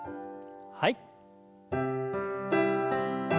はい。